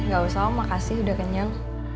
gak usah om makasih udah kenyang